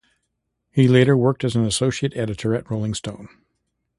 He later worked as an associate editor at "Rolling Stone".